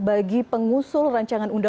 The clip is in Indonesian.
terima kasih banyak larda